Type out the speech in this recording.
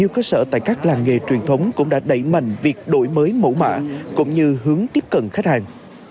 đời truyền thống cũng đã đẩy mạnh việc đổi mới mẫu mạ cũng như hướng tiếp cận khách hàng